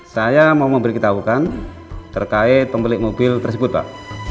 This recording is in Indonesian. saya mau memberitahukan terkait pemilik mobil tersebut pak